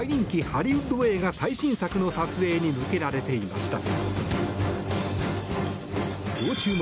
ハリウッド映画最新作の撮影に向けられていました。